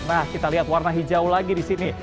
nah kita lihat warna hijau lagi di sini